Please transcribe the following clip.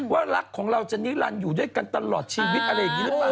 ว่ารักของเราจะนิรันดิ์อยู่ด้วยกันตลอดชีวิตอะไรอย่างนี้หรือเปล่า